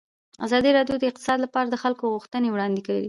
ازادي راډیو د اقتصاد لپاره د خلکو غوښتنې وړاندې کړي.